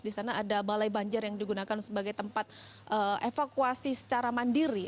di sana ada balai banjar yang digunakan sebagai tempat evakuasi secara mandiri